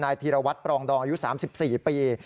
ธีรวัตรปรองดองอายุ๓๔ปี